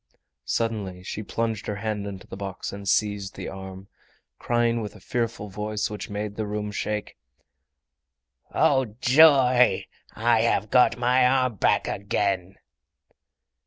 Suddenly she plunged her hand into the box and seized the arm, crying with a fearful voice which made the room shake: "Oh, joy! I have got my arm back again!"